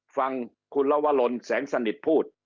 ฟังคุณลวรลแสงสนิทพูด